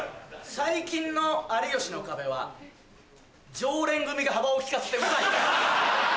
最近の『有吉の壁』は常連組が幅を利かせてウザい。